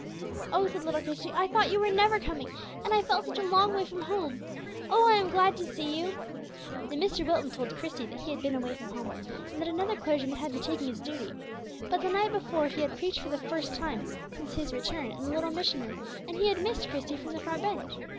"Oh," said little Christie, "I thought you were never coming, and I felt such a long way from home! Oh, I am so glad to see you." Then Mr. Wilton told Christie that he had been away from home, and that another clergyman had been taking his duty. But the night before he had preached for the first time since his return in the little mission room, and he had missed Christie from the front bench.